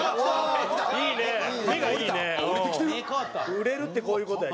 売れるってこういう事や。